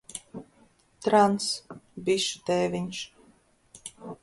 Trans - bišu tēviņš.